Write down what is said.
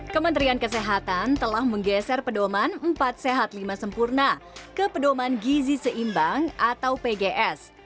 kementerian kesehatan telah menggeser pedoman empat sehat lima sempurna ke pedoman gizi seimbang atau pgs